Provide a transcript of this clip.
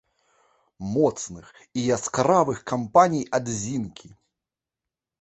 Моцных і яскравых кампаній адзінкі.